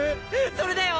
それだよ！